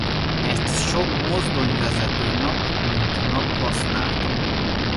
Ezt sok mozdonyvezető nap mint nap használta.